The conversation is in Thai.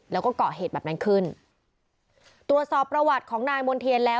แล้วก็เกาะเหตุแบบนั้นขึ้นตรวจสอบประวัติของนายมณ์เทียนแล้ว